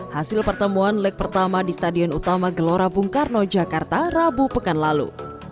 hasil pertemuan leg pertama di stadion utama gelora bung karno jakarta rabu pekan lalu